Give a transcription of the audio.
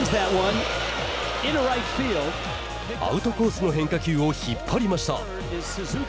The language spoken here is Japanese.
アウトコースの変化球を引っ張りました。